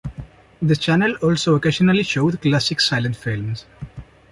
The channel also occasionally showed classic silent films.